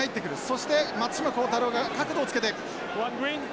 そして松島幸太朗が角度をつけて。